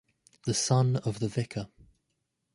The son of the vicar.